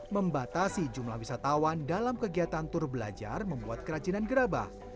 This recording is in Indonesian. membatasi jumlah wisatawan dalam kegiatan tur belajar membuat kerajinan gerabah